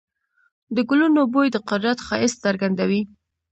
د ګلونو بوی د قدرت ښایست څرګندوي.